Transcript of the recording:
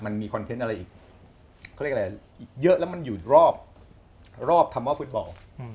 มันมีคอนเทนต์อะไรอีกเขาเรียกอะไรเยอะแล้วมันอยู่รอบรอบธรรมฟุตบอล